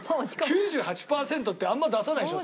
９８パーセントってあんま出さないでしょ？